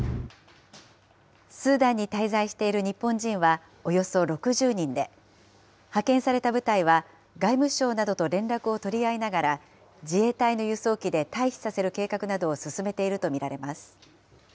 スーダンに滞在している日本人はおよそ６０人で、派遣された部隊は外務省などと連絡を取り合いながら、自衛隊の輸送機で退避させる計画などを進めているものと見られます。